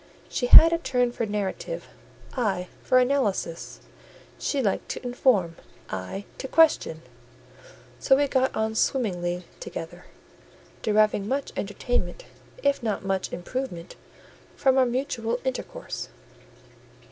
She had a turn for narrative, I for analysis; she liked to inform, I to question; so we got on swimmingly together, deriving much entertainment, if not much improvement, from our mutual intercourse.